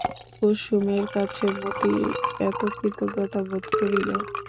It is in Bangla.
কুসুমের কাছে মতি এত কৃতজ্ঞতা বোধ করিল।